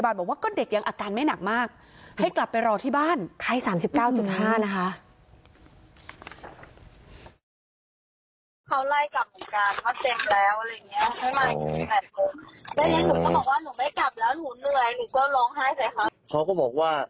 ไม่ได้ก็บอกว่าหนูไม่กลับแล้วหนูเหนื่อยหนูก็โรงไห้ใส่ค่ะเขาก็บอกว่า